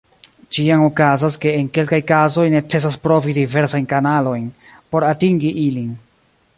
Ĉiam okazas ke en kelkaj kazoj necesas provi diversajn kanalojn por atingi ilin.